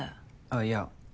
あっいや。